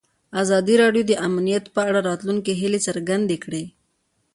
ازادي راډیو د امنیت په اړه د راتلونکي هیلې څرګندې کړې.